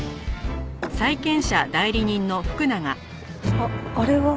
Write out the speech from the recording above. あっあれは。